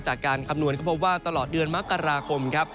จากการคำนวณของเขาเพราะว่าตลอดเดือนมคครับ